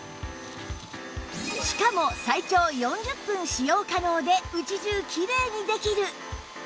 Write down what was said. しかも最長４０分使用可能で家中きれいにできる